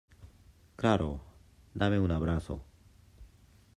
Claro. Dame un abrazo.